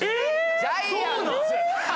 ジャイアンツ？